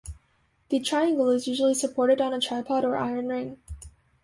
The triangle is usually supported on a tripod or iron ring.